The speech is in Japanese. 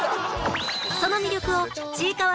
その魅力を『ちいかわ』